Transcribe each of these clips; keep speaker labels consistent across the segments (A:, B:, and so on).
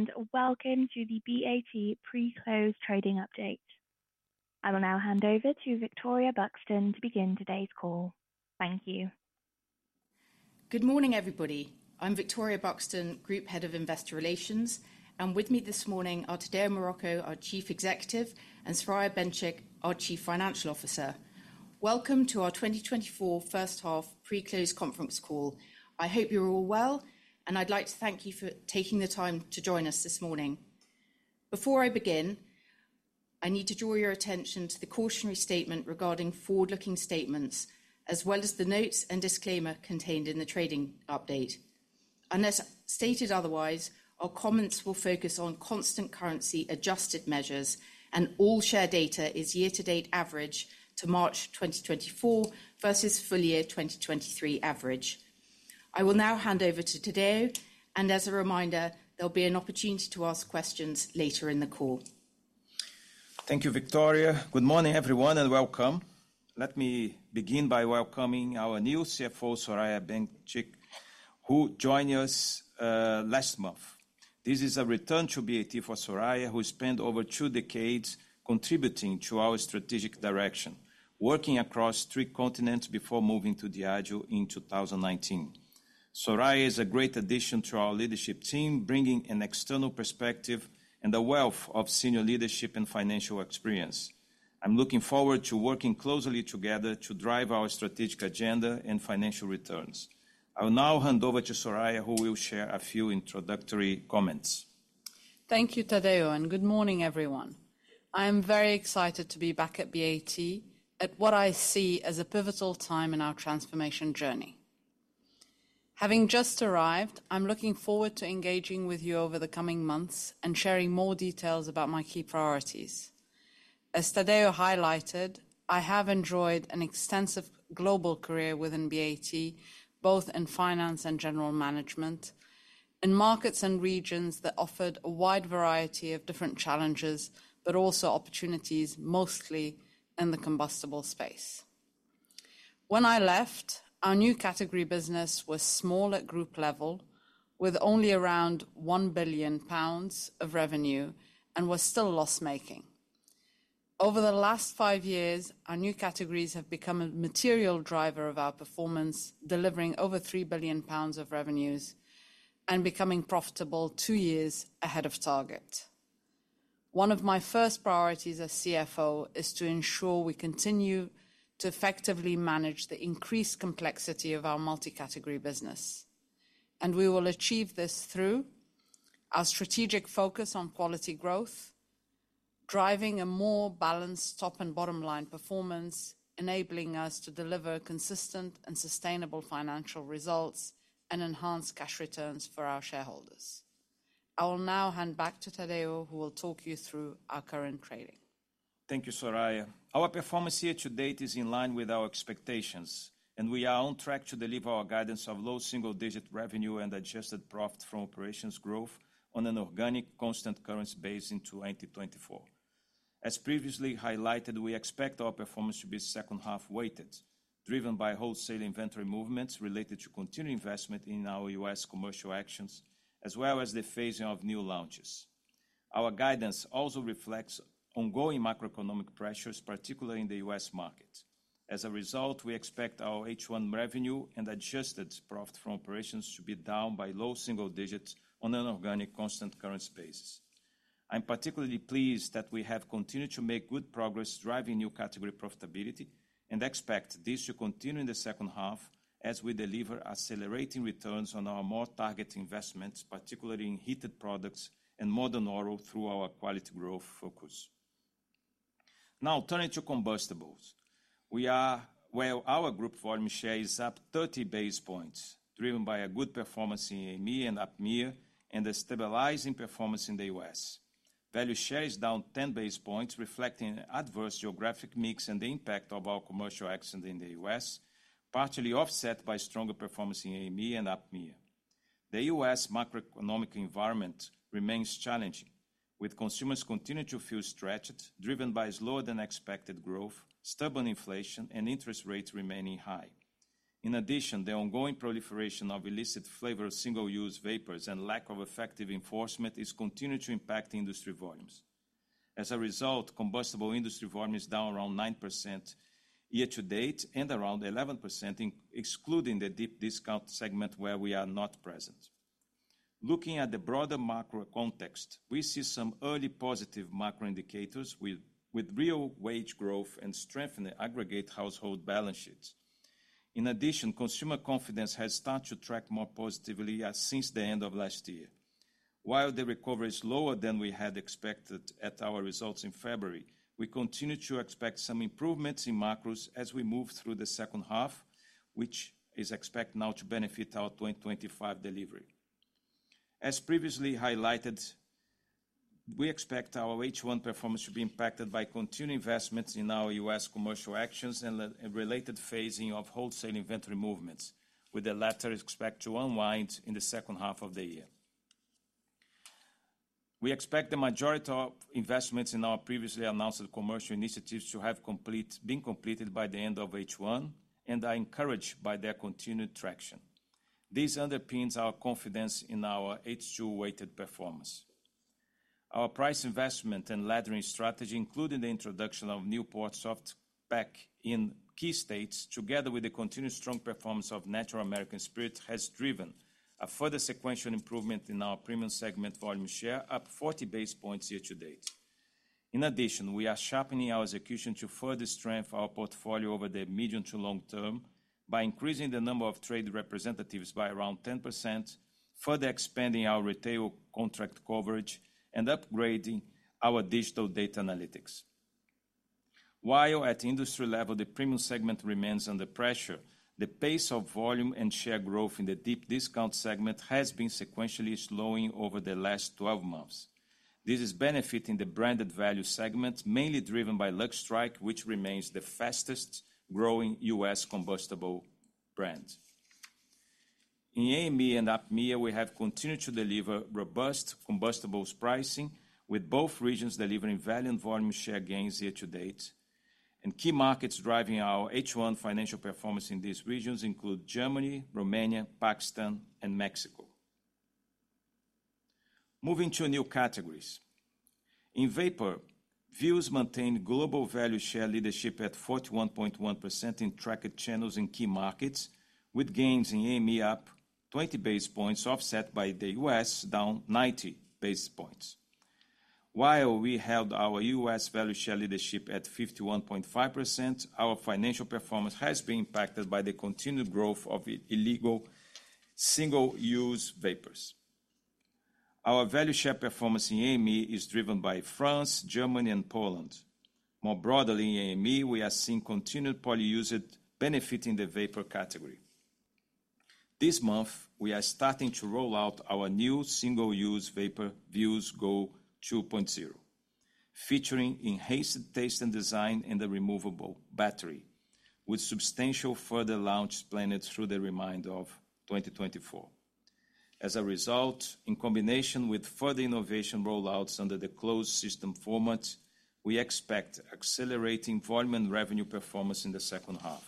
A: Hello, and welcome to the BAT pre-close trading update. I will now hand over to Victoria Buxton to begin today's call. Thank you.
B: Good morning, everybody. I'm Victoria Buxton, Group Head of Investor Relations, and with me this morning are Tadeu Marroco, our Chief Executive, and Soraya Benchikh, our Chief Financial Officer. Welcome to our 2024 first half pre-close conference call. I hope you're all well, and I'd like to thank you for taking the time to join us this morning. Before I begin, I need to draw your attention to the cautionary statement regarding forward-looking statements, as well as the notes and disclaimer contained in the trading update. Unless stated otherwise, our comments will focus on constant currency-adjusted measures, and all share data is year-to-date average to March 2024 versus full year 2023 average. I will now hand over to Tadeu, and as a reminder, there'll be an opportunity to ask questions later in the call.
C: Thank you, Victoria. Good morning, everyone, and welcome. Let me begin by welcoming our new CFO, Soraya Benchikh, who joined us last month. This is a return to BAT for Soraya, who spent over two decades contributing to our strategic direction, working across three continents before moving to Diageo in 2019. Soraya is a great addition to our leadership team, bringing an external perspective and a wealth of senior leadership and financial experience. I'm looking forward to working closely together to drive our strategic agenda and financial returns. I will now hand over to Soraya, who will share a few introductory comments.
D: Thank you, Tadeu, and good morning, everyone. I am very excited to be back at BAT at what I see as a pivotal time in our transformation journey. Having just arrived, I'm looking forward to engaging with you over the coming months and sharing more details about my key priorities. As Tadeu highlighted, I have enjoyed an extensive global career within BAT, both in finance and general management, in markets and regions that offered a wide variety of different challenges, but also opportunities, mostly in the combustible space. When I left, our new category business was small at group level, with only around 1 billion pounds of revenue and was still loss-making. Over the last five years, our new categories have become a material driver of our performance, delivering over 3 billion pounds of revenues and becoming profitable two years ahead of target. One of my first priorities as CFO is to ensure we continue to effectively manage the increased complexity of our multi-category business, and we will achieve this through our strategic focus on quality growth, driving a more balanced top and bottom line performance, enabling us to deliver consistent and sustainable financial results and enhance cash returns for our shareholders. I will now hand back to Tadeu, who will talk you through our current trading.
C: Thank you, Soraya. Our performance year to date is in line with our expectations, and we are on track to deliver our guidance of low single-digit revenue and adjusted profit from operations growth on an organic constant currency base in 2024. As previously highlighted, we expect our performance to be second half-weighted, driven by wholesale inventory movements related to continued investment in our U.S. commercial actions, as well as the phasing of new launches. Our guidance also reflects ongoing macroeconomic pressures, particularly in the U.S. market. As a result, we expect our H1 revenue and adjusted profit from operations to be down by low single digits on an organic constant currency basis. I'm particularly pleased that we have continued to make good progress driving new category profitability and expect this to continue in the second half as we deliver accelerating returns on our more targeted investments, particularly in heated products and modern oral through our quality growth focus. Now, turning to combustibles. Well, our group volume share is up 30 basis points, driven by a good performance in EMA and APMEA, and a stabilizing performance in the U.S.. Value share is down 10 basis points, reflecting adverse geographic mix and the impact of our commercial actions in the U.S., partially offset by stronger performance in EMA and APMEA. The U.S. macroeconomic environment remains challenging, with consumers continuing to feel stretched, driven by slower-than-expected growth, stubborn inflation, and interest rates remaining high. In addition, the ongoing proliferation of illicit flavored, single-use vapors and lack of effective enforcement is continuing to impact industry volumes. As a result, combustible industry volume is down around 9% year to date and around 11% in excluding the deep discount segment where we are not present. Looking at the broader macro context, we see some early positive macro indicators with real wage growth and strength in the aggregate household balance sheets. In addition, consumer confidence has started to track more positively as since the end of last year. While the recovery is lower than we had expected at our results in February, we continue to expect some improvements in macros as we move through the second half, which is expected now to benefit our 2025 delivery. As previously highlighted, we expect our H1 performance to be impacted by continued investments in our U.S. commercial actions and the related phasing of wholesale inventory movements, with the latter expected to unwind in the second half of the year. We expect the majority of investments in our previously announced commercial initiatives to have been completed by the end of H1, and are encouraged by their continued traction. This underpins our confidence in our H2 weighted performance. Our price investment and laddering strategy, including the introduction of Newport Soft Pack in key states, together with the continued strong performance of Natural American Spirit, has driven a further sequential improvement in our premium segment volume share, up 40 basis points year to date. In addition, we are sharpening our execution to further strengthen our portfolio over the medium to long term, by increasing the number of trade representatives by around 10%, further expanding our retail contract coverage, and upgrading our digital data analytics. While at industry level, the premium segment remains under pressure, the pace of volume and share growth in the deep discount segment has been sequentially slowing over the last 12 months. This is benefiting the branded value segment, mainly driven by Lucky Strike, which remains the fastest growing U.S. combustible brand. In EMA and APMEA, we have continued to deliver robust combustibles pricing, with both regions delivering value and volume share gains year to date, and key markets driving our H1 financial performance in these regions include Germany, Romania, Pakistan, and Mexico. Moving to new categories. In vapor, Vuse maintained global value share leadership at 41.1% in tracked channels in key markets, with gains in AME up 20 basis points, offset by the U.S., down 90 basis points. While we held our U.S. value share leadership at 51.5%, our financial performance has been impacted by the continued growth of illegal single-use vapors. Our value share performance in AME is driven by France, Germany, and Poland. More broadly in AME, we are seeing continued polyuse benefiting the vapor category. This month, we are starting to roll out our new single-use vapor, Vuse Go 2.0, featuring enhanced taste and design, and a removable battery, with substantial further launch planned through the remainder of 2024. As a result, in combination with further innovation rollouts under the closed system format, we expect accelerating volume and revenue performance in the second half.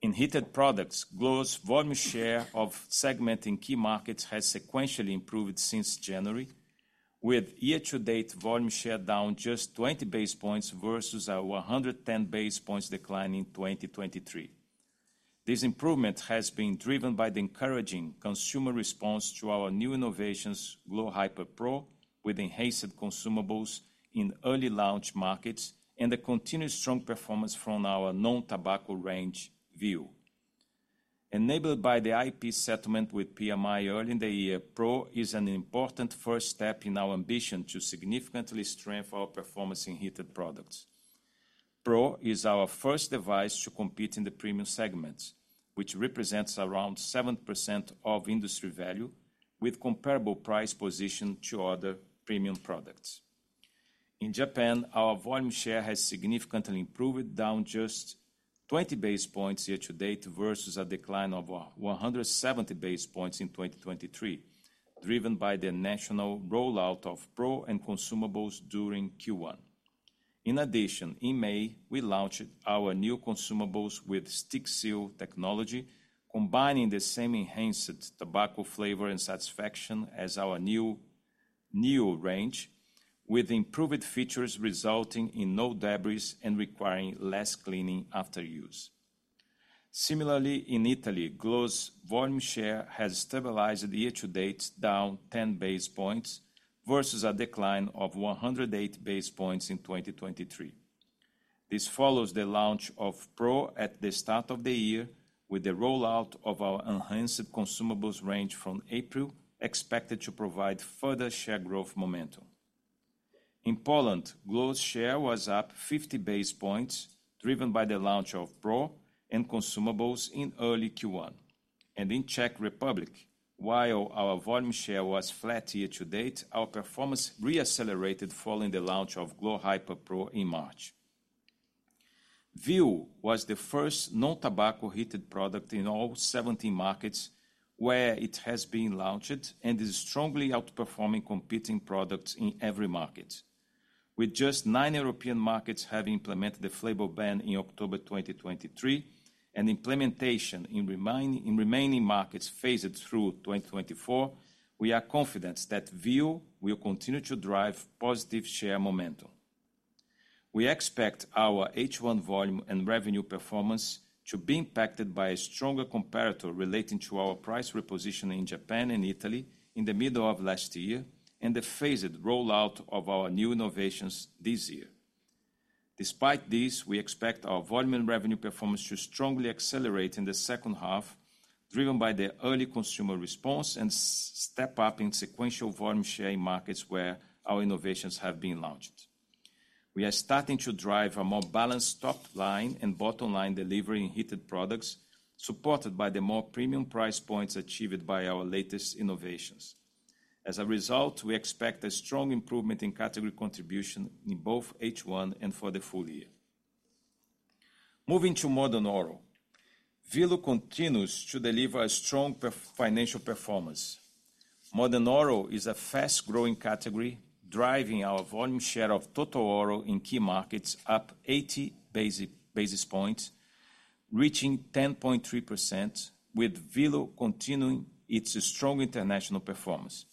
C: In heated products, glo's volume share of segment in key markets has sequentially improved since January, with year-to-date volume share down just 20 basis points versus our 110 basis points decline in 2023. This improvement has been driven by the encouraging consumer response to our new innovations, glo Hyper Pro, with enhanced consumables in early launch markets, and the continued strong performance from our non-tobacco range Vuse. Enabled by the IP settlement with PMI early in the year, Pro is an important first step in our ambition to significantly strengthen our performance in heated products. Pro is our first device to compete in the premium segment, which represents around 7% of industry value, with comparable price position to other premium products. In Japan, our volume share has significantly improved, down just 20 basis points year to date, versus a decline of 170 basis points in 2023, driven by the national rollout of Pro and consumables during Q1. In addition, in May, we launched our new consumables with StickSeal technology, combining the same enhanced tobacco flavor and satisfaction as our new range, with improved features resulting in no debris and requiring less cleaning after use. Similarly, in Italy, glo's volume share has stabilized year to date, down 10 basis points, versus a decline of 108 basis points in 2023. This follows the launch of Pro at the start of the year, with the rollout of our enhanced consumables range from April, expected to provide further share growth momentum. In Poland, glo's share was up 50 basis points, driven by the launch of Pro and consumables in early Q1. In Czech Republic, while our volume share was flat year to date, our performance re-accelerated following the launch of glo Hyper Pro in March. Vuse was the first non-tobacco heated product in all 17 markets where it has been launched, and is strongly outperforming competing products in every market. With just nine European markets having implemented the flavor ban in October 2023, and implementation in remaining markets phased through 2024, we are confident that Vuse will continue to drive positive share momentum. We expect our H1 volume and revenue performance to be impacted by a stronger comparator relating to our price repositioning in Japan and Italy in the middle of last year, and the phased rollout of our new innovations this year. Despite this, we expect our volume and revenue performance to strongly accelerate in the second half, driven by the early consumer response and step up in sequential volume share in markets where our innovations have been launched. We are starting to drive a more balanced top line and bottom line delivery in heated products, supported by the more premium price points achieved by our latest innovations. As a result, we expect a strong improvement in category contribution in both H1 and for the full year.... Moving to modern oral. Velo continues to deliver a strong financial performance. Modern oral is a fast-growing category, driving our volume share of total oral in key markets up 80 basis points, reaching 10.3%, with Velo continuing its strong international performance.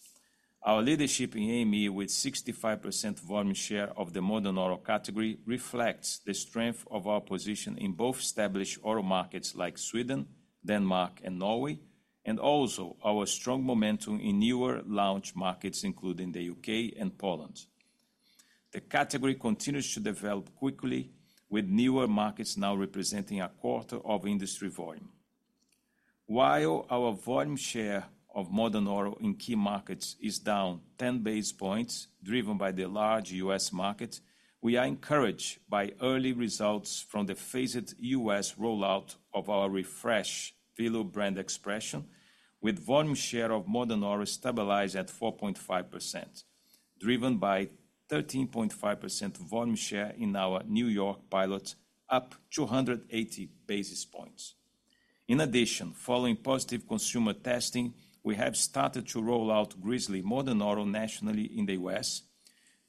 C: Our leadership in EMA, with 65% volume share of the modern oral category, reflects the strength of our position in both established oral markets like Sweden, Denmark, and Norway, and also our strong momentum in newer launch markets, including the UK and Poland. The category continues to develop quickly, with newer markets now representing a quarter of industry volume. While our volume share of modern oral in key markets is down 10 basis points, driven by the large U.S. market, we are encouraged by early results from the phased U.S. rollout of our refreshed Velo brand expression, with volume share of modern oral stabilized at 4.5%, driven by 13.5% volume share in our New York pilot, up 280 basis points. In addition, following positive consumer testing, we have started to roll out Grizzly Modern Oral nationally in the U.S.,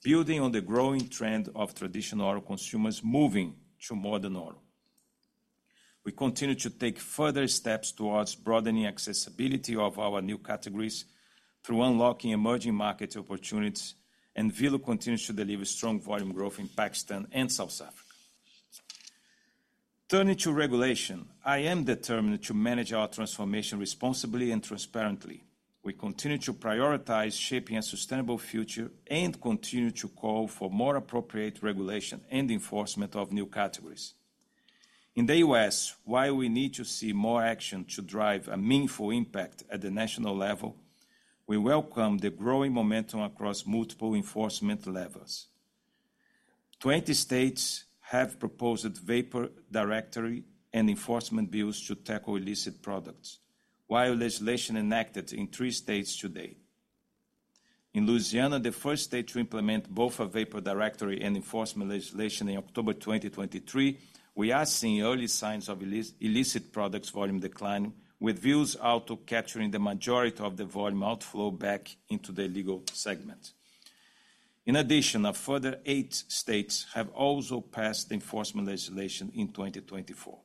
C: building on the growing trend of traditional oral consumers moving to modern oral. We continue to take further steps towards broadening accessibility of our new categories through unlocking emerging market opportunities, and Velo continues to deliver strong volume growth in Pakistan and South Africa. Turning to regulation, I am determined to manage our transformation responsibly and transparently. We continue to prioritize shaping a sustainable future and continue to call for more appropriate regulation and enforcement of new categories. In the U.S., while we need to see more action to drive a meaningful impact at the national level, we welcome the growing momentum across multiple enforcement levels. 20 states have proposed vapor directory and enforcement bills to tackle illicit products, while legislation enacted in 3 states to date. In Louisiana, the first state to implement both a vapor directory and enforcement legislation in October 2023, we are seeing early signs of illicit products volume decline, with a view to capturing the majority of the volume outflow back into the legal segment. In addition, a further 8 states have also passed enforcement legislation in 2024.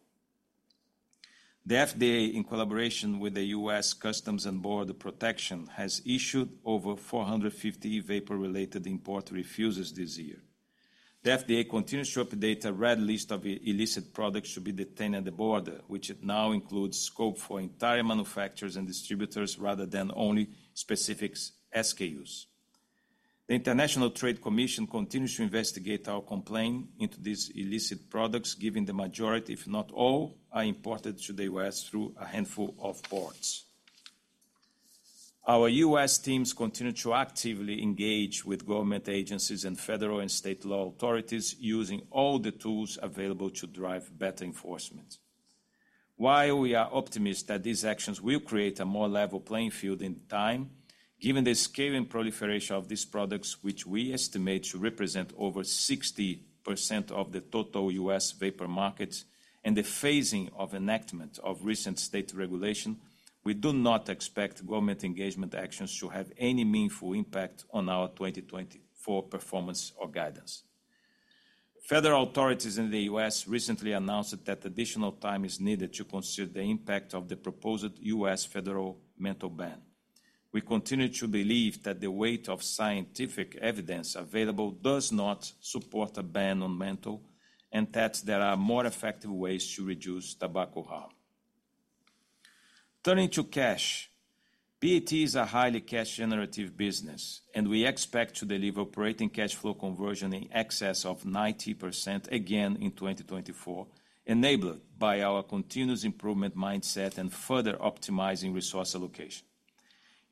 C: The FDA, in collaboration with the U.S. Customs and Border Protection, has issued over 450 vapor-related import refusals this year. The FDA continues to update a red list of illicit products to be detained at the border, which it now includes scope for entire manufacturers and distributors rather than only specific SKUs. The International Trade Commission continues to investigate our complaint into these illicit products, given the majority, if not all, are imported to the U.S. through a handful of ports. Our U.S. teams continue to actively engage with government agencies and federal and state law authorities, using all the tools available to drive better enforcement. While we are optimistic that these actions will create a more level playing field in time, given the scale and proliferation of these products, which we estimate to represent over 60% of the total U.S. vapor market and the phasing of enactment of recent state regulation, we do not expect government engagement actions to have any meaningful impact on our 2024 performance or guidance. Federal authorities in the U.S. recently announced that additional time is needed to consider the impact of the proposed U.S. federal menthol ban. We continue to believe that the weight of scientific evidence available does not support a ban on menthol, and that there are more effective ways to reduce tobacco harm. Turning to cash, BAT is a highly cash-generative business, and we expect to deliver operating cash flow conversion in excess of 90% again in 2024, enabled by our continuous improvement mindset and further optimizing resource allocation.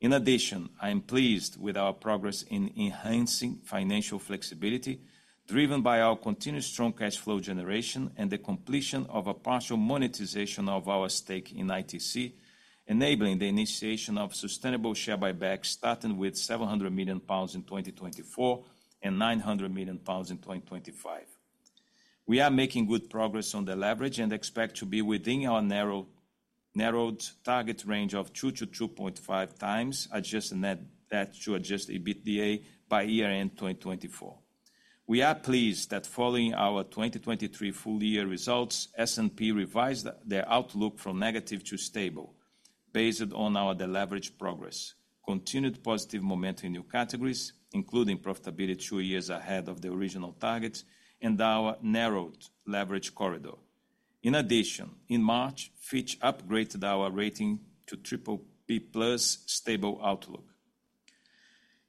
C: In addition, I am pleased with our progress in enhancing financial flexibility, driven by our continued strong cash flow generation and the completion of a partial monetization of our stake in ITC, enabling the initiation of sustainable share buyback, starting with 700 million pounds in 2024, and 900 million pounds in 2025. We are making good progress on the leverage and expect to be within our narrow-narrowed target range of 2-2.5x adjusted net debt to adjusted EBITDA by year-end 2024. We are pleased that following our 2023 full year results, S&P revised their outlook from negative to stable based on our deleverage progress, continued positive momentum in new categories, including profitability two years ahead of the original target, and our narrowed leverage corridor. In addition, in March, Fitch upgraded our rating to BBB+ stable outlook.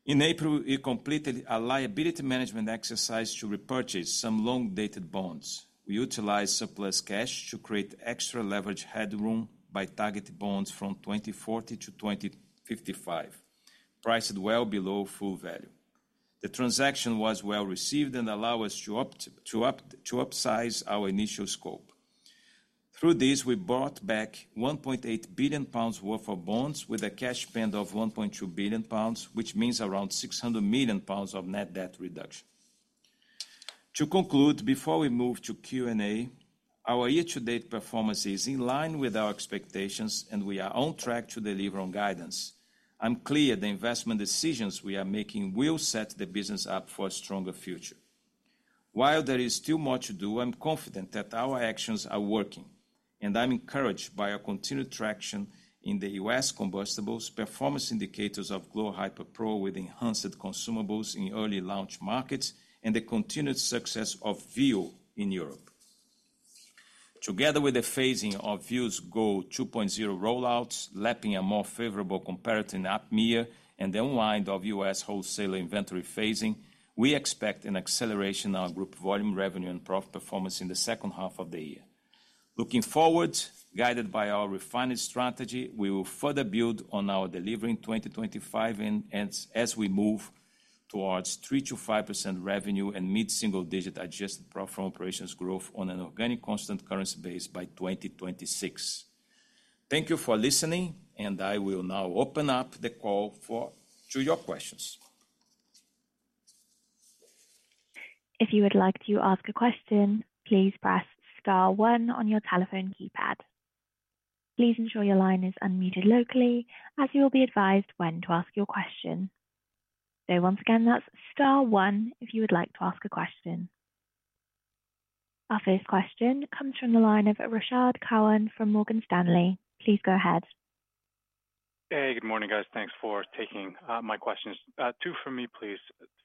C: In April, we completed a liability management exercise to repurchase some long-dated bonds. We utilized surplus cash to create extra leverage headroom by targeting bonds from 2040-2055, priced well below full value. The transaction was well received and allowed us to opt to upsize our initial scope. Through this, we bought back 1.8 billion pounds worth of bonds with a cash spend of 1.2 billion pounds, which means around 600 million pounds of net debt reduction. To conclude, before we move to Q&A, our year-to-date performance is in line with our expectations, and we are on track to deliver on guidance. I'm clear the investment decisions we are making will set the business up for a stronger future. While there is still more to do, I'm confident that our actions are working, and I'm encouraged by our continued traction in the U.S. combustibles, performance indicators of glo Hyper Pro with enhanced consumables in early launch markets, and the continued success of Vuse in Europe. Together with the phasing of Vuse Go 2.0 rollouts, lapping a more favorable competitor in APMEA, and the unwind of U.S. wholesaler inventory phasing, we expect an acceleration of group volume, revenue, and profit performance in the second half of the year. Looking forward, guided by our refining strategy, we will further build on our delivery in 2025 and as we move towards 3%-5% revenue and mid-single-digit adjusted profit from operations growth on an organic constant currency base by 2026. Thank you for listening, and I will now open up the call to your questions.
A: If you would like to ask a question, please press star one on your telephone keypad. Please ensure your line is unmuted locally, as you will be advised when to ask your question. So once again, that's star one, if you would like to ask a question. Our first question comes from the line of Rashad Kawan from Morgan Stanley. Please go ahead.
E: Hey, good morning, guys. Thanks for taking my questions. Two for me, please.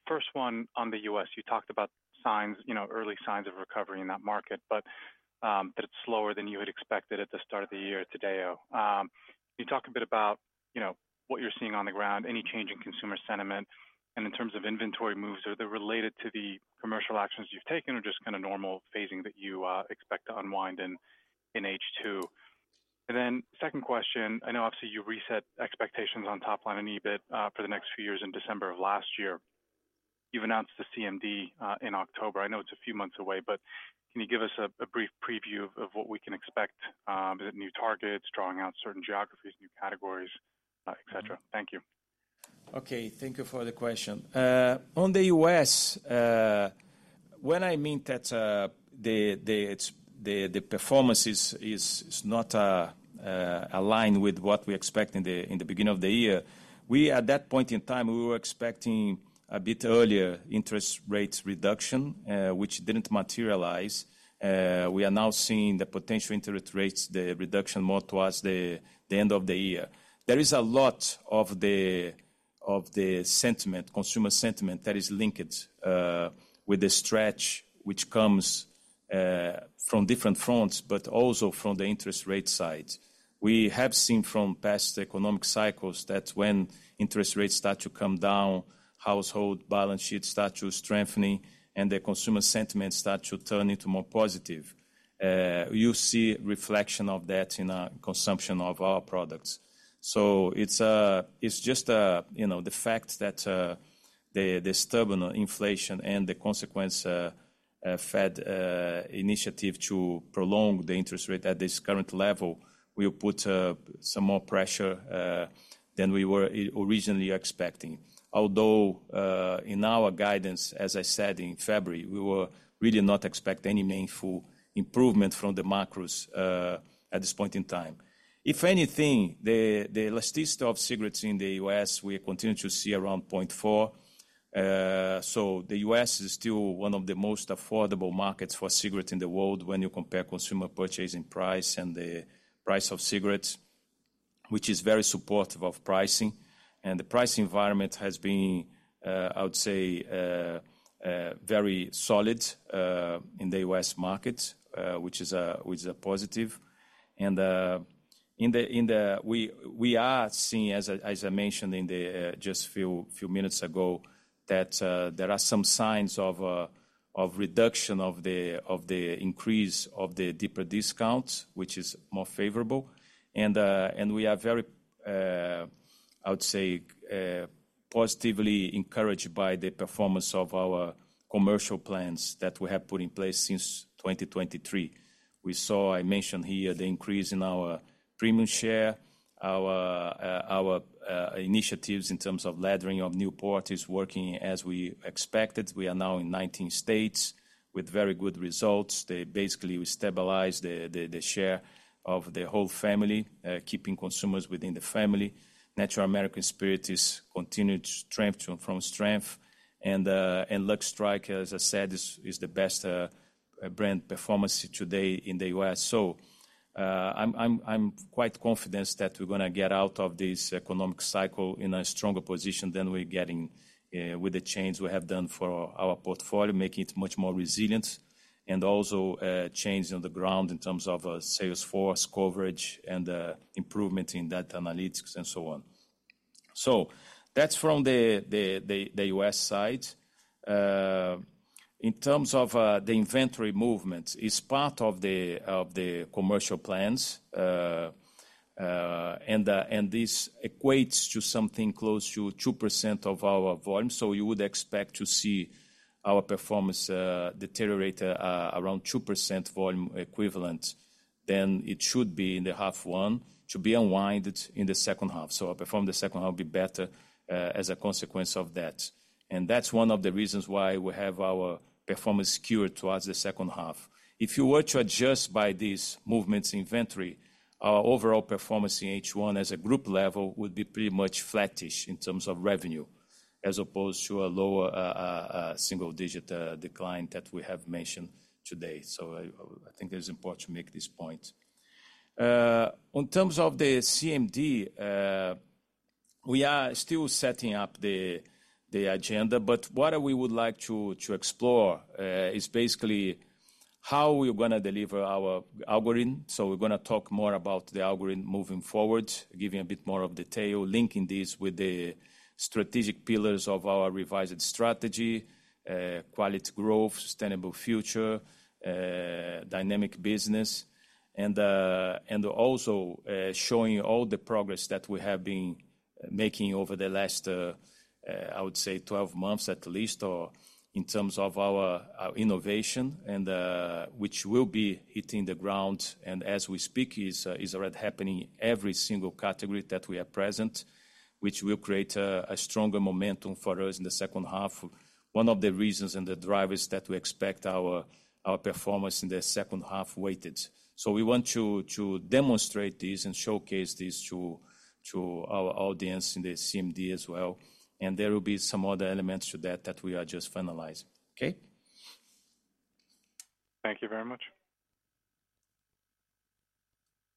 E: First one, on the U.S., you talked about signs, you know, early signs of recovery in that market, but, but it's slower than you had expected at the start of the year today, though. Can you talk a bit about, you know, what you're seeing on the ground, any change in consumer sentiment, and in terms of inventory moves, are they related to the commercial actions you've taken, or just kinda normal phasing that you expect to unwind in H2? And then second question, I know obviously you reset expectations on top line and EBIT for the next few years in December of last year. You've announced the CMD in October. I know it's a few months away, but can you give us a brief preview of what we can expect, is it new targets, drawing out certain geographies, new categories, et cetera? Thank you.
C: Okay, thank you for the question. On the U.S., when I mean that the performance is not aligned with what we expect in the beginning of the year, at that point in time we were expecting a bit earlier interest rates reduction, which didn't materialize. We are now seeing the potential interest rates reduction more towards the end of the year. There is a lot of consumer sentiment that is linked with the stretch, which comes from different fronts, but also from the interest rate side. We have seen from past economic cycles that when interest rates start to come down, household balance sheets start to strengthening, and the consumer sentiment start to turn into more positive. You see reflection of that in our consumption of our products. So it's just, you know, the fact that the stubborn inflation and the consequence Fed initiative to prolong the interest rate at this current level will put some more pressure than we were originally expecting. Although in our guidance, as I said in February, we were really not expecting any meaningful improvement from the macros at this point in time. If anything, the elasticity of cigarettes in the U.S., we continue to see around 0.4. So the U.S. is still one of the most affordable markets for cigarettes in the world when you compare consumer purchasing price and the price of cigarettes, which is very supportive of pricing. And the pricing environment has been, I would say, very solid in the U.S. market, which is a positive. We are seeing, as I mentioned just a few minutes ago, that there are some signs of reduction of the increase of the deeper discounts, which is more favorable. And we are very, I would say, positively encouraged by the performance of our commercial plans that we have put in place since 2023. We saw, I mentioned here, the increase in our premium share, our initiatives in terms of laddering of Newport is working as we expected. We are now in 19 states with very good results. They basically stabilize the share of the whole family, keeping consumers within the family. Natural American Spirit is continued strength from strength, and Lucky Strike, as I said, is the best brand performance today in the U.S. So, I'm quite confident that we're gonna get out of this economic cycle in a stronger position than we're getting with the changes we have done for our portfolio, making it much more resilient, and also changes on the ground in terms of sales force coverage and improvement in data analytics, and so on. So that's from the U.S. side. In terms of the inventory movement, it's part of the commercial plans, and this equates to something close to 2% of our volume. So you would expect to see our performance deteriorate around 2% volume equivalent. Then it should be in H1, to be unwound in the second half. So our performance in the second half will be better as a consequence of that. And that's one of the reasons why we have our performance skewed towards the second half. If you were to adjust by these movements in inventory, our overall performance in H1 as a group level would be pretty much flattish in terms of revenue, as opposed to a lower single-digit decline that we have mentioned today. So I think it is important to make this point. In terms of the CMD, we are still setting up the agenda, but what we would like to explore is basically how we're gonna deliver our algorithm. So we're gonna talk more about the algorithm moving forward, giving a bit more of detail, linking this with the strategic pillars of our revised strategy, quality growth, sustainable future, dynamic business, and also showing all the progress that we have been making over the last, I would say 12 months at least, or in terms of our innovation, and which will be hitting the ground, and as we speak, is already happening in every single category that we are present, which will create a stronger momentum for us in the second half. One of the reasons and the drivers that we expect our performance in the second half weighted. So we want to demonstrate this and showcase this to our audience in the CMD as well, and there will be some other elements to that we are just finalizing. Okay?
E: Thank you very much.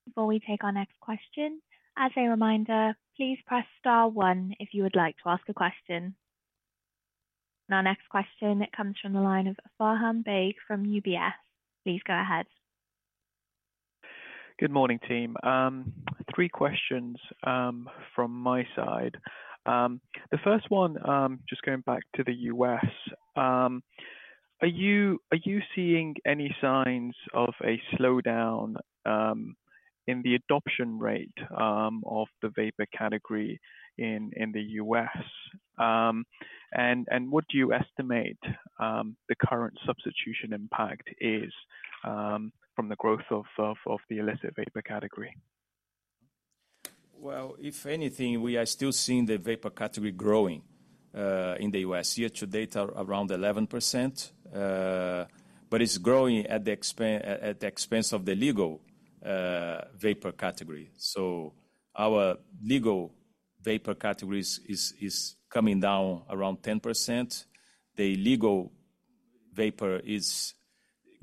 A: Before we take our next question, as a reminder, please press star one if you would like to ask a question. Our next question comes from the line of Faham Baig from UBS. Please go ahead.
F: Good morning, team. Three questions from my side. The first one, just going back to the U.S. Are you seeing any signs of a slowdown in the adoption rate of the vapor category in the U.S.? And what do you estimate the current substitution impact is from the growth of the illicit vapor category?
C: Well, if anything, we are still seeing the vapor category growing in the U.S. Year to date, around 11%, but it's growing at the expense of the legal vapor category. So our legal vapor category is coming down around 10%. The illegal vapor is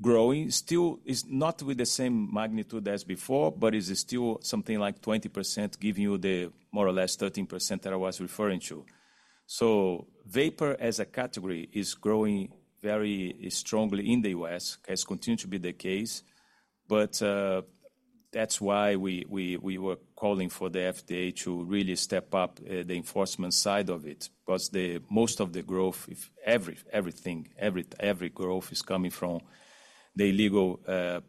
C: growing. Still, it's not with the same magnitude as before, but it's still something like 20%, giving you the more or less 13% that I was referring to. So vapor as a category is growing very strongly in the U.S., has continued to be the case, but that's why we were calling for the FDA to really step up the enforcement side of it, because most of the growth, everything, every growth is coming from the illegal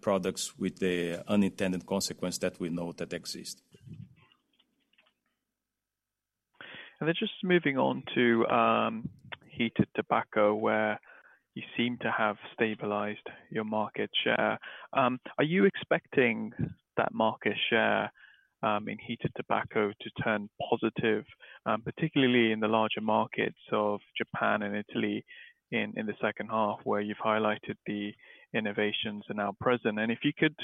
C: products with the unintended consequence that we know that exist.
F: And then just moving on to heated tobacco, where you seem to have stabilized your market share. Are you expecting that market share in heated tobacco to turn positive, particularly in the larger markets of Japan and Italy in the second half, where you've highlighted the innovations are now present? And if you could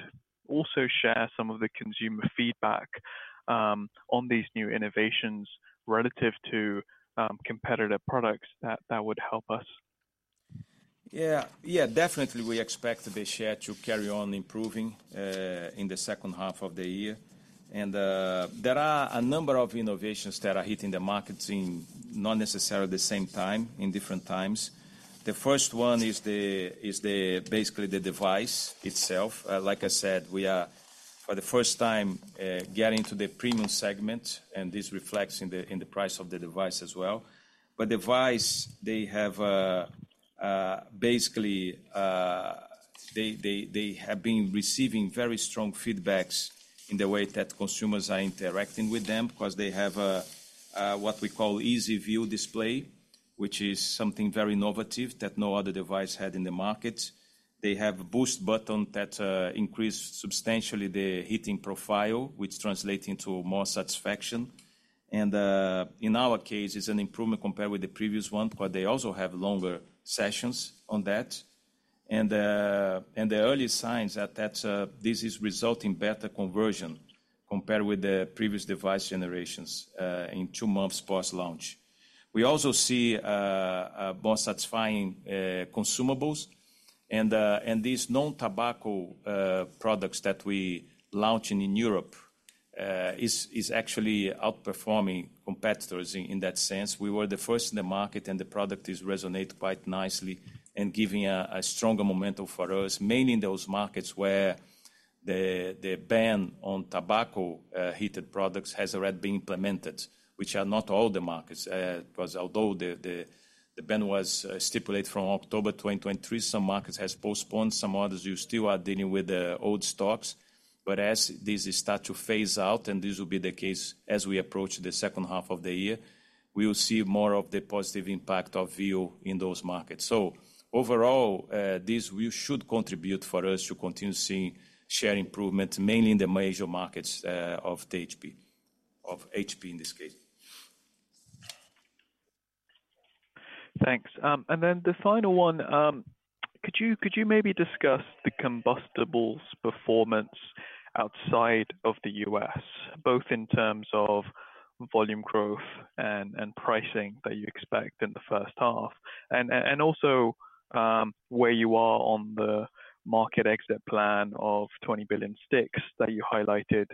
F: also share some of the consumer feedback on these new innovations relative to competitive products, that would help us.
C: Yeah, yeah, definitely, we expect the share to carry on improving in the second half of the year. And, there are a number of innovations that are hitting the markets in not necessarily the same time, in different times. The first one is basically the device itself. Like I said, we are, for the first time, getting to the premium segment, and this reflects in the price of the device as well. But the devices have basically been receiving very strong feedbacks in the way that consumers are interacting with them because they have a what we call EasyView display, which is something very innovative that no other device had in the market. They have a Boost button that increase substantially the heating profile, which translates into more satisfaction. In our case, it's an improvement compared with the previous one, but they also have longer sessions on that. And the early signs are that this is resulting better conversion compared with the previous device generations in two months post-launch. We also see more satisfying consumables, and these non-tobacco products that we launching in Europe is actually outperforming competitors in that sense. We were the first in the market, and the product is resonate quite nicely and giving a stronger momentum for us, mainly in those markets where the ban on tobacco heated products has already been implemented, which are not all the markets. Because although the ban was stipulated from October 2023, some markets has postponed, some others you still are dealing with the old stocks. But as these start to phase out, and this will be the case as we approach the second half of the year, we will see more of the positive impact of VO in those markets. So overall, this we should contribute for us to continue seeing share improvement, mainly in the major markets, of the HP, of HP in this case.
F: Thanks. And then the final one, could you maybe discuss the combustibles performance outside of the U.S., both in terms of volume growth and also where you are on the market exit plan of 20 billion sticks that you highlighted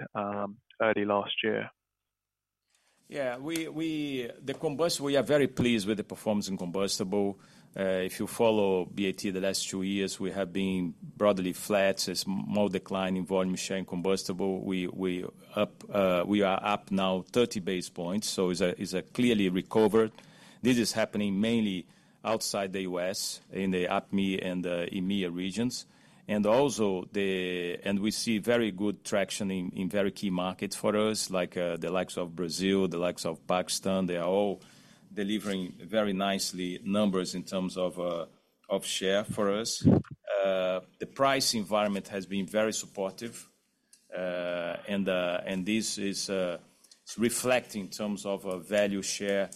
F: early last year?
C: Yeah, with the combustibles, we are very pleased with the performance in combustibles. If you follow BAT the last two years, we have been broadly flat. There's more decline in volume share in combustibles. We are up now 30 basis points, so it is a clearly recovered. This is happening mainly outside the U.S., in the APMEA and EMA regions, and also. And we see very good traction in very key markets for us, like the likes of Brazil, the likes of Pakistan. They are all delivering very nicely numbers in terms of of share for us. The price environment has been very supportive, and this is reflecting in terms of a value share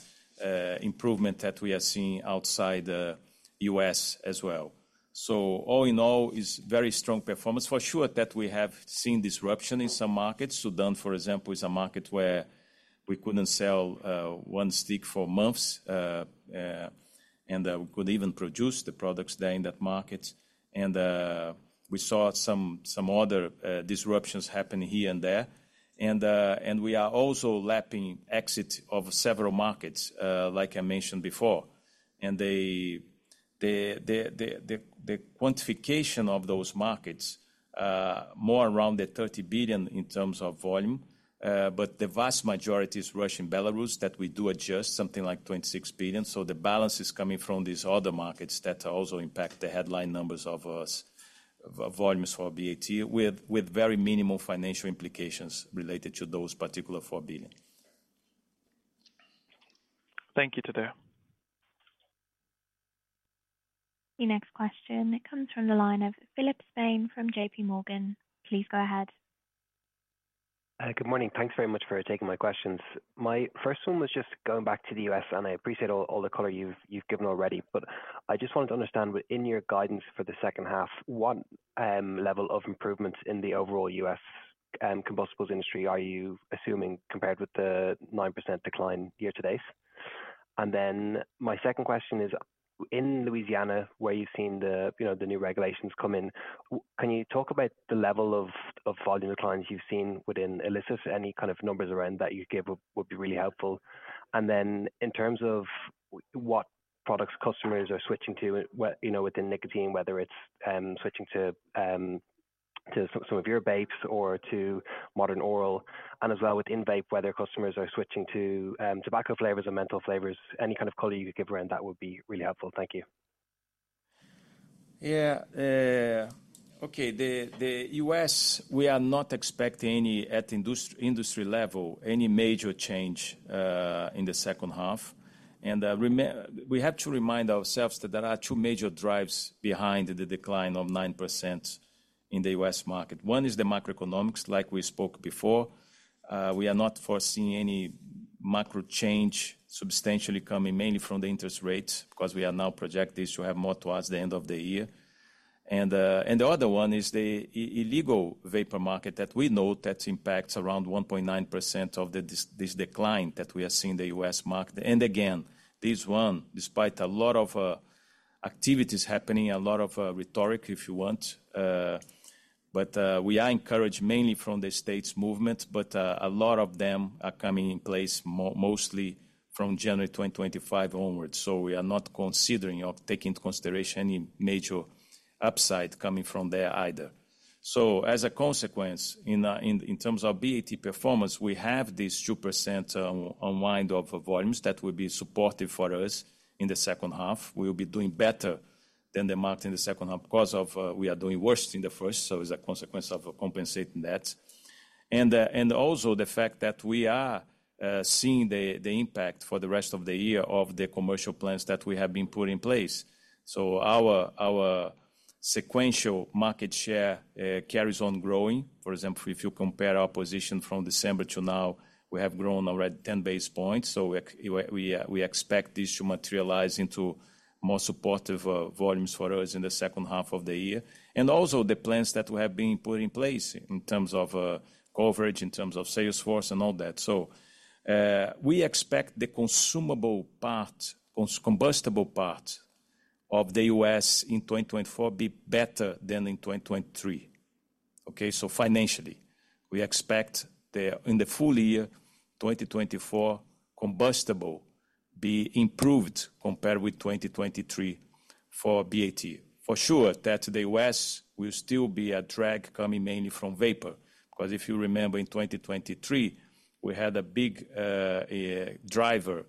C: improvement that we are seeing outside the U.S. as well. So all in all, it is very strong performance. For sure, that we have seen disruption in some markets. Sudan, for example, is a market where we couldn't sell one stick for months, and we couldn't even produce the products there in that market. And we saw some other disruptions happening here and there. And we are also lapping exit of several markets, like I mentioned before. And the quantification of those markets, more around 30 billion in terms of volume, but the vast majority is Russia and Belarus, that we do adjust something like 26 billion. So the balance is coming from these other markets that also impact the headline numbers of us, volumes for BAT, with very minimal financial implications related to those particular 4 billion.
F: Thank you, Tadeu.
A: The next question comes from the line of Philip Spain from JPMorgan. Please go ahead.
G: Good morning. Thanks very much for taking my questions. My first one was just going back to the U.S., and I appreciate all, all the color you've, you've given already, but I just wanted to understand, within your guidance for the second half, what level of improvements in the overall U.S. combustibles industry are you assuming, compared with the 9% decline year to date? And then my second question is, in Louisiana, where you've seen the, you know, the new regulations come in, can you talk about the level of volume declines you've seen within illicit? Any kind of numbers around that you'd give would, would be really helpful. And then in terms of what products customers are switching to, you know, within nicotine, whether it's switching to some of your vapes or to modern oral, and as well within vape, whether customers are switching to tobacco flavors or menthol flavors. Any kind of color you could give around that would be really helpful. Thank you.
C: Yeah. Okay, the U.S., we are not expecting any, at industry level, any major change in the second half. And, we have to remind ourselves that there are two major drives behind the decline of 9% in the U.S. market. One is the macroeconomics, like we spoke before. We are not foreseeing any macro change substantially coming mainly from the interest rates, because we are now projecting this to have more towards the end of the year. And, and the other one is the illegal vapor market that we know that impacts around 1.9% of this decline that we are seeing in the U.S. market. And again, this one, despite a lot of activities happening, a lot of rhetoric, if you want, but we are encouraged mainly from the states movement, but a lot of them are coming in place mostly from January 2025 onwards. So we are not considering or taking into consideration any major upside coming from there either. So as a consequence, in terms of BAT performance, we have this 2% unwind of volumes that will be supportive for us in the second half. We will be doing better than the market in the second half because we are doing worse in the first, so it's a consequence of compensating that. Also the fact that we are seeing the impact for the rest of the year of the commercial plans that we have been putting in place. So our sequential market share carries on growing. For example, if you compare our position from December to now, we have grown already 10 basis points, so we expect this to materialize into more supportive volumes for us in the second half of the year. And also the plans that we have been putting in place in terms of coverage, in terms of sales force and all that. So we expect the combustible part of the U.S. in 2024 be better than in 2023, okay? So financially, we expect the, in the full year 2024, combustible be improved compared with 2023 for BAT. For sure, that the U.S. will still be a drag coming mainly from vapor, because if you remember, in 2023, we had a big driver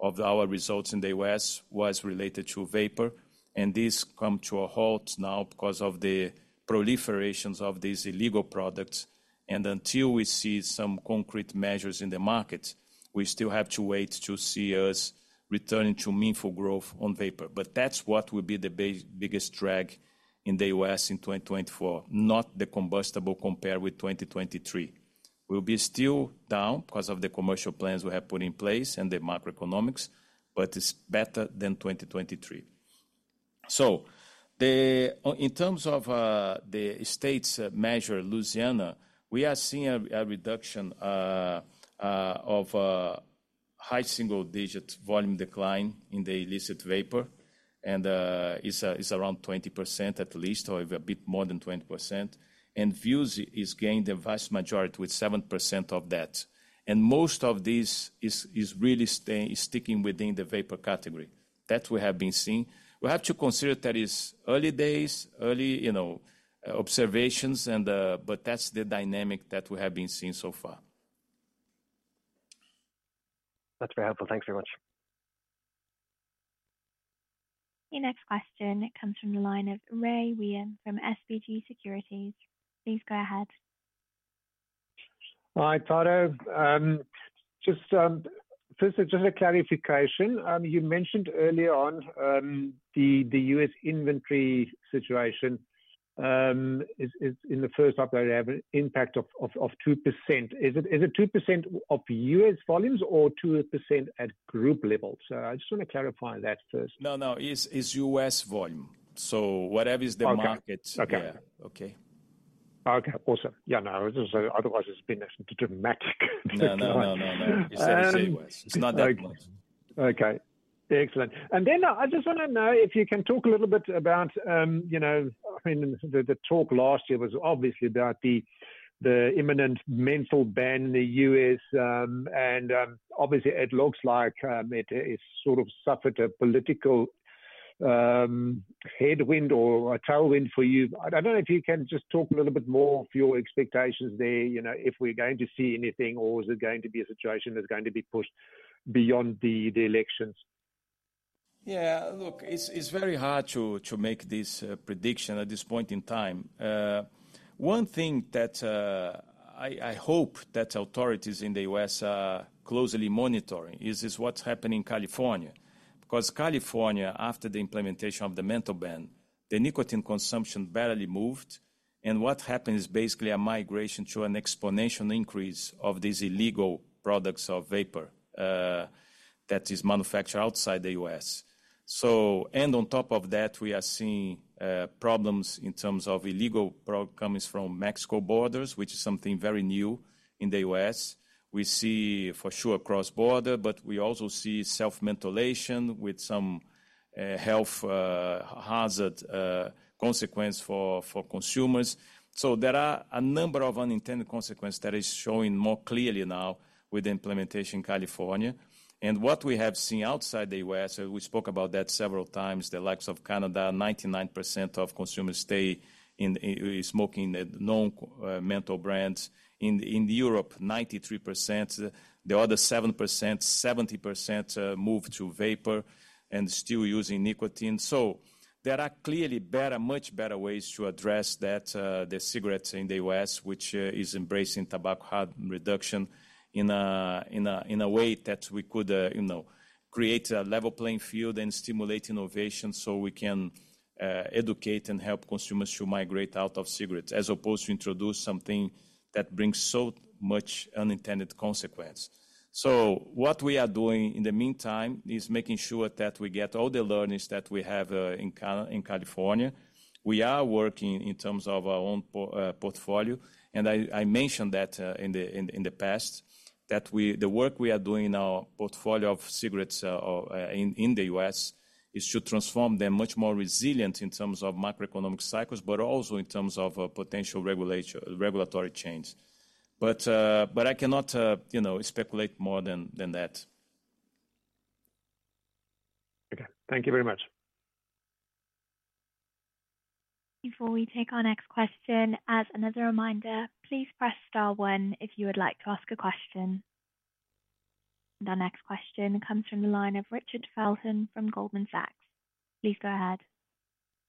C: of our results in the U.S. was related to vapor, and this come to a halt now because of the proliferations of these illegal products. And until we see some concrete measures in the market, we still have to wait to see us returning to meaningful growth on vapor. But that's what will be the biggest drag in the U.S. in 2024, not the combustible compared with 2023. We'll be still down because of the commercial plans we have put in place and the macroeconomics, but it's better than 2023. So in terms of the state's measure, Louisiana, we are seeing a reduction of high single-digit volume decline in the illicit vapor, and it's around 20% at least, or a bit more than 20%. And Vuse is gaining the vast majority with 7% of that. And most of this is really sticking within the vapor category. That we have been seeing. We have to consider that it's early days, early you know observations, but that's the dynamic that we have been seeing so far.
G: That's very helpful. Thank you very much.
A: Your next question comes from the line of Rey Wium from SBG Securities. Please go ahead.
H: Hi, Tadeu. Just, first, just a clarification. You mentioned earlier on the U.S. inventory situation is in the first half had an impact of 2%. Is it 2% of U.S. volumes or 2% at group level? So I just want to clarify that first.
C: No, no, it's, it's U.S. volume. So whatever is the market-
H: Okay.
C: Yeah. Okay?
H: Okay, awesome. Yeah, no, so otherwise, it's been dramatic.
C: No, no, no, no, no. It's the same way. It's not that one.
H: Okay, excellent. And then I just wanna know if you can talk a little bit about, you know, I mean, the talk last year was obviously about the imminent menthol ban in the U.S. Obviously it looks like it is sort of suffered a political headwind or a tailwind for you. I don't know if you can just talk a little bit more of your expectations there, you know, if we're going to see anything, or is it going to be a situation that's going to be pushed beyond the elections?
C: Yeah, look, it's very hard to make this prediction at this point in time. One thing that I hope that authorities in the U.S. are closely monitoring is what's happening in California. Because California, after the implementation of the menthol ban, the nicotine consumption barely moved, and what happened is basically a migration to an exponential increase of these illegal products of vapor that is manufactured outside the U.S. So... And on top of that, we are seeing problems in terms of illegal pro- coming from Mexico borders, which is something very new in the U.S. We see for sure across border, but we also see self-mentholation with some health hazard consequence for consumers. So there are a number of unintended consequences that is showing more clearly now with the implementation in California. What we have seen outside the U.S., we spoke about that several times, the likes of Canada, 99% of consumers stay in smoking the non-menthol brands. In Europe, 93%, the other 7%, 70% moved to vapor and still using nicotine. So there are clearly better, much better ways to address that, the cigarettes in the U.S., which is embracing tobacco harm reduction in a way that we could, you know, create a level playing field and stimulate innovation so we can educate and help consumers to migrate out of cigarettes, as opposed to introduce something that brings so much unintended consequence. So what we are doing in the meantime is making sure that we get all the learnings that we have in California. We are working in terms of our own portfolio, and I mentioned that in the past, that we... The work we are doing in our portfolio of cigarettes in the U.S. is to transform them much more resilient in terms of macroeconomic cycles, but also in terms of a potential regulation, regulatory change. But, but I cannot, you know, speculate more than that.
H: Okay. Thank you very much.
A: Before we take our next question, as another reminder, please press Star one if you would like to ask a question. Our next question comes from the line of Richard Felton from Goldman Sachs. Please go ahead.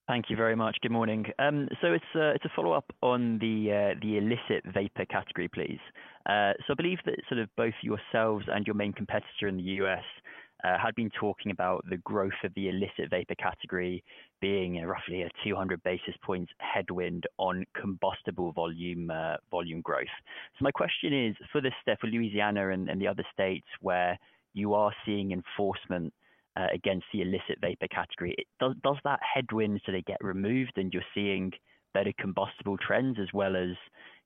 I: Thank you very much. Good morning. So it's a, it's a follow-up on the, the illicit vapor category, please. So I believe that sort of both yourselves and your main competitor in the U.S., had been talking about the growth of the illicit vapor category being roughly 200 basis points headwind on combustible volume, volume growth. So my question is, for this step, for Louisiana and, and the other states where you are seeing enforcement, against the illicit vapor category, does, does that headwind, do they get removed and you're seeing better combustible trends as well as,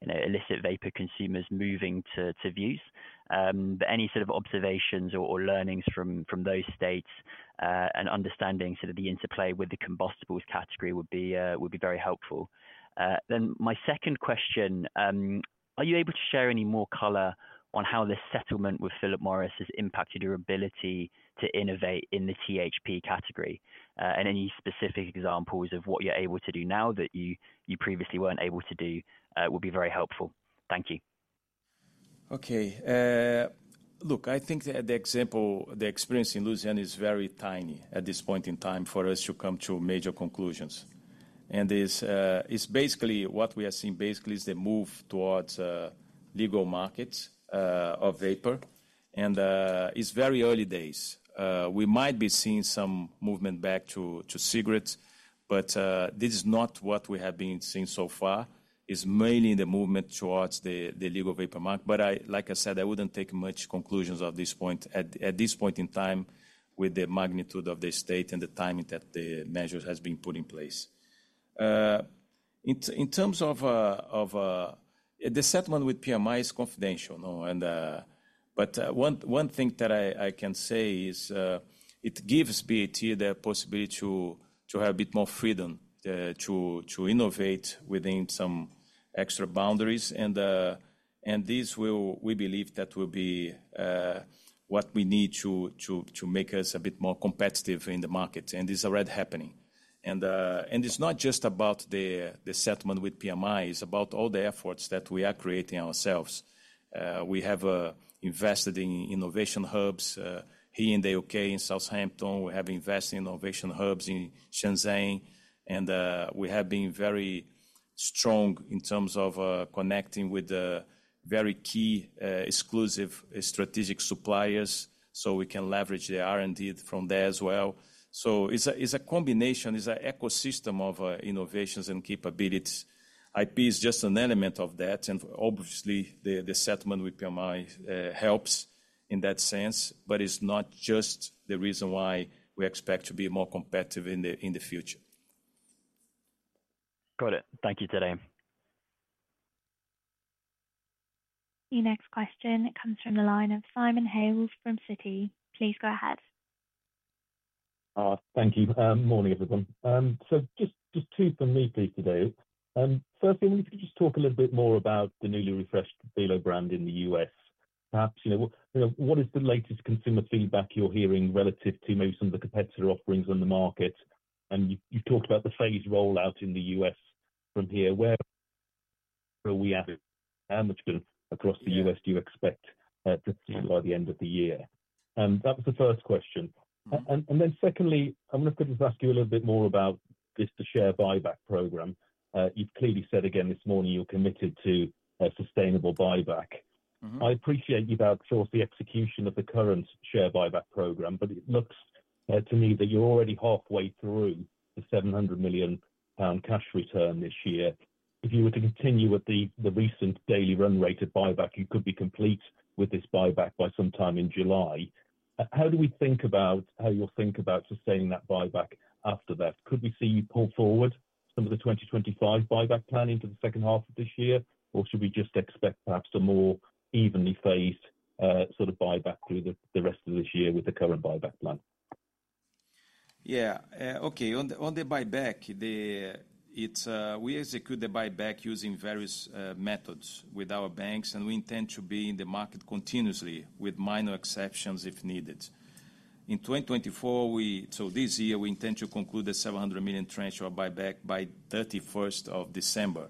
I: you know, illicit vapor consumers moving to, to Vuse? But any sort of observations or, or learnings from, from those states, and understanding sort of the interplay with the combustibles category would be, would be very helpful. My second question: are you able to share any more color on how this settlement with Philip Morris has impacted your ability to innovate in the THP category? And any specific examples of what you're able to do now that you previously weren't able to do would be very helpful. Thank you....
C: Okay, look, I think the example, the experience in Louisiana is very tiny at this point in time for us to come to major conclusions. And is basically what we are seeing basically is the move towards legal markets of vapor, and it's very early days. We might be seeing some movement back to cigarettes, but this is not what we have been seeing so far. It's mainly the movement towards the legal vapor market. But like I said, I wouldn't take much conclusions at this point, at this point in time, with the magnitude of the state and the timing that the measures has been put in place. In terms of the settlement with PMI is confidential, no? And, but, one thing that I can say is, it gives BAT the possibility to have a bit more freedom to innovate within some extra boundaries, and this will... We believe that will be what we need to make us a bit more competitive in the market, and it's already happening. And it's not just about the settlement with PMI, it's about all the efforts that we are creating ourselves. We have invested in innovation hubs here in the U.K., in Southampton. We have invested in innovation hubs in Shenzhen, and we have been very strong in terms of connecting with the very key exclusive strategic suppliers, so we can leverage the R&D from there as well. So it's a combination, it's an ecosystem of innovations and capabilities. IP is just an element of that, and obviously, the settlement with PMI helps in that sense, but it's not just the reason why we expect to be more competitive in the future.
I: Got it. Thank you, Tadeu.
A: Your next question comes from the line of Simon Hales from Citi. Please go ahead.
J: Thank you. Morning, everyone. So just two from me, please, today. Firstly, if you could just talk a little bit more about the newly refreshed Velo brand in the U.S.. Perhaps, you know, what is the latest consumer feedback you're hearing relative to maybe some of the competitor offerings on the market? And you talked about the phased rollout in the U.S. from here, where are we at? How much good across the U.S. do you expect to see by the end of the year? That was the first question. And then secondly, I'm just going to ask you a little bit more about this, the share buyback program. You've clearly said again this morning, you're committed to a sustainable buyback.
C: Mm-hmm.
J: I appreciate you've outsourced the execution of the current share buyback program, but it looks to me that you're already halfway through the 700 million pound cash return this year. If you were to continue with the recent daily run rate of buyback, you could be complete with this buyback by sometime in July. How do we think about how you'll think about sustaining that buyback after that? Could we see you pull forward some of the 2025 buyback plan into the second half of this year, or should we just expect perhaps a more evenly phased sort of buyback through the rest of this year with the current buyback plan?
C: Yeah. Okay, on the buyback, the... It's, we execute the buyback using various methods with our banks, and we intend to be in the market continuously, with minor exceptions if needed. In 2024, so this year, we intend to conclude the 700 million tranche of buyback by 31st of December,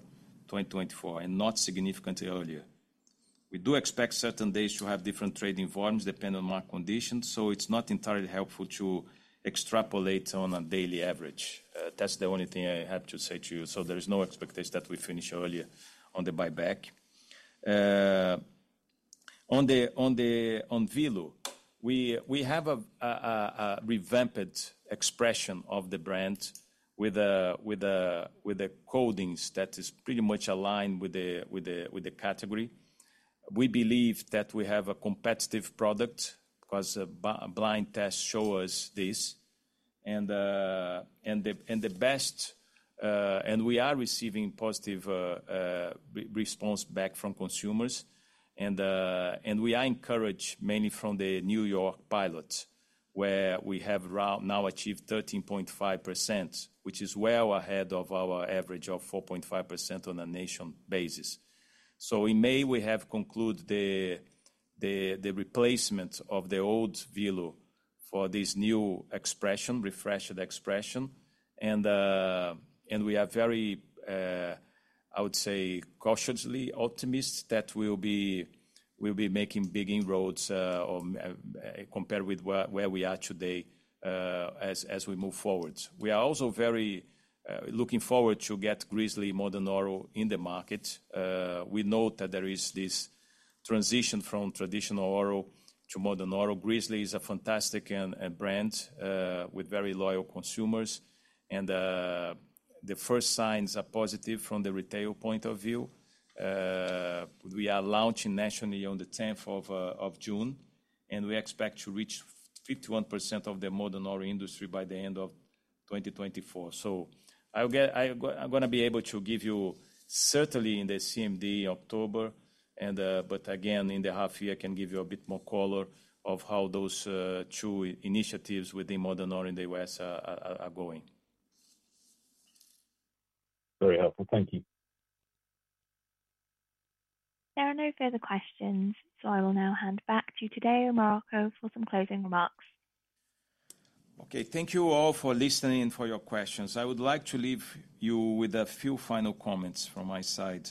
C: 2024, and not significantly earlier. We do expect certain days to have different trading volumes, depending on market conditions, so it's not entirely helpful to extrapolate on a daily average. That's the only thing I have to say to you. So there is no expectation that we finish earlier on the buyback. On Velo, we have a revamped expression of the brand with the codings that is pretty much aligned with the category. We believe that we have a competitive product, 'cause blind tests show us this, and the best. And we are receiving positive response back from consumers, and we are encouraged mainly from the New York pilot, where we have now achieved 13.5%, which is well ahead of our average of 4.5% on a national basis. So in May, we have concluded the replacement of the old Velo for this new expression, refreshed expression, and we are very, I would say, cautiously optimistic that we'll be making big inroads, compared with where we are today, as we move forward. We are also very looking forward to get Grizzly Modern Oral in the market. We know that there is this transition from traditional oral to modern oral. Grizzly is a fantastic brand with very loyal consumers, and the first signs are positive from the retail point of view. We are launching nationally on the tenth of June, and we expect to reach 51% of the modern oral industry by the end of 2024. So, I'm gonna be able to give you certainly in the CMD October, and but again, in the half year, I can give you a bit more color of how those two initiatives with the modern oral in the U.S. are going.
J: Very helpful. Thank you.
A: There are no further questions, so I will now hand back to you Marroco, for some closing remarks.
C: Okay, thank you all for listening and for your questions. I would like to leave you with a few final comments from my side.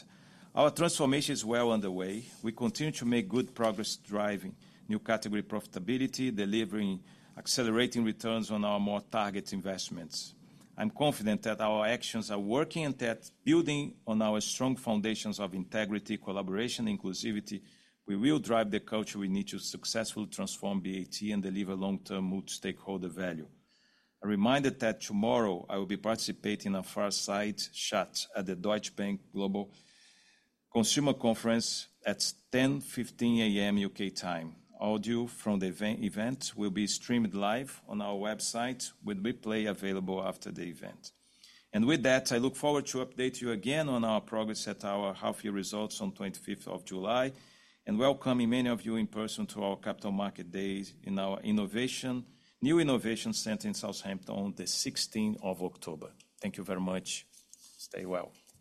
C: Our transformation is well underway. We continue to make good progress, driving new category profitability, delivering accelerating returns on our more target investments. I'm confident that our actions are working and that building on our strong foundations of integrity, collaboration, inclusivity, we will drive the culture we need to successfully transform BAT and deliver long-term multi-stakeholder value. A reminder that tomorrow I will be participating in a fireside chat at the Deutsche Bank Global Consumer Conference at 10:15 A.M. UK time. Audio from the event will be streamed live on our website, with replay available after the event. With that, I look forward to update you again on our progress at our half-year results on 25th of July, and welcoming many of you in person to our Capital Markets Day in our new innovation center in Southampton, the 16th of October. Thank you very much. Stay well.